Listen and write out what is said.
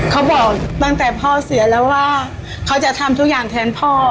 เขาบอกตั้งแต่พ่อเสียแล้วว่าเขาจะทำทุกอย่างแทนพ่อ